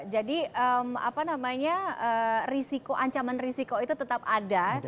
jadi apa namanya risiko ancaman risiko itu tetap ada